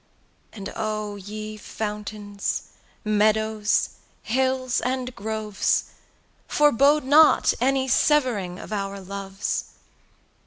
And O ye Fountains, Meadows, Hills, and Groves, Forebode not any severing of our loves!